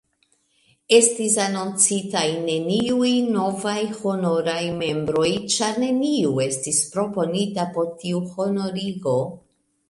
Estis anoncitaj neniuj novaj honoraj membroj, ĉar neniu estis proponita por tiu honorigo.